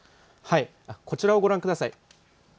こちらをご覧ください。